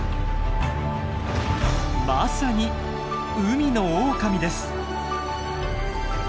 まさに海のオオカミです！